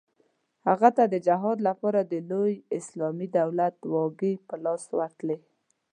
هغه ته د جهاد لپاره د لوی اسلامي دولت واګې په لاس ورتلې.